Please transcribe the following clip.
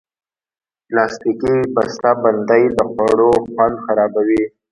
پلاستيکي بستهبندۍ د خوړو خوند خرابوي.